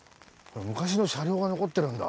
昔の車両が残ってるんだ。